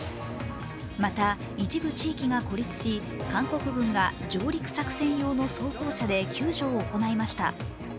また、一部地域が孤立し韓国軍が上陸作戦用の装甲車で救助を行いました。